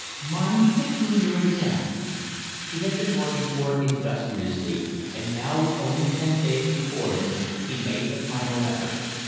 "Mind you get through your exam." He had been working for it industriously, and now with only ten days before him he made a final effort.